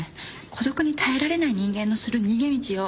孤独に耐えられない人間のする逃げ道よ。